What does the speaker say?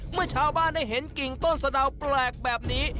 เมื่อชาวบ้านได้เห็นกิ่งต้นสะดาวแปลกแบบนี้